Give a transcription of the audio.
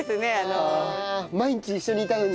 毎日一緒にいたのに。